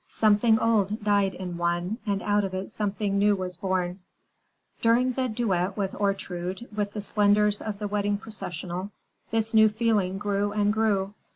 Something old died in one, and out of it something new was born. During the duet with Ortrude, and the splendors of the wedding processional, this new feeling grew and grew.